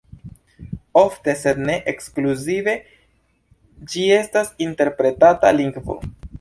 Ofte, sed ne ekskluzive, ĝi estas interpretata lingvo.